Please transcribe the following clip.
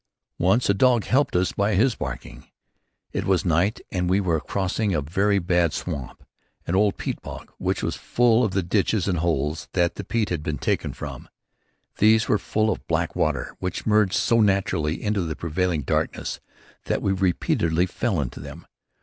Once a dog helped us by his barking. It was night and we were crossing a very bad swamp, an old peat bog which was full of the ditches and holes that the peat had been taken from. These were full of black water which merged so naturally into the prevailing darkness that we repeatedly fell into them.